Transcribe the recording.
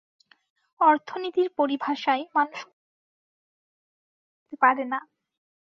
অর্থনীতির পরিভাষায় মানুষ কোনো কিছু সৃষ্টি অথবা ধ্বংস করতে পারে না।